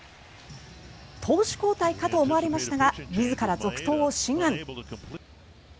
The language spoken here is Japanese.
投手交代かと思われましたが自ら続投を志願。